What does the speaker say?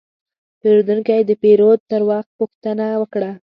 پیرودونکی د پیرود پر وخت پوښتنه وکړه.